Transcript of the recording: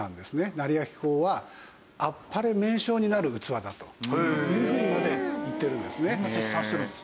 斉昭公は天晴名将になる器だというふうにまで言ってるんですね。